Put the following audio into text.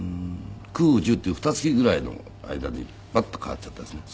９１０っていう二月ぐらいの間にバッと変わっちゃったんですね。